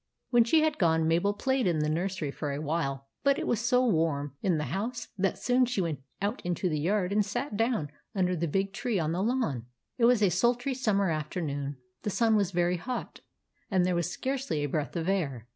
When she had gone, Mabel played in the nursery for awhile ; but it was so warm in GREY RAT UNDER THE PUMP 103 the house that she soon went out into the yard and sat down under the big tree on the lawn. It was a sultry summer afternoon. The sun was very hot, and there was scarcely a breath of air.